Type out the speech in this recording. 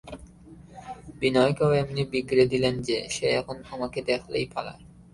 বিনয়কেও এমনি বিগড়ে দিলেন যে, সে এখন আমাকে দেখলেই পালায়।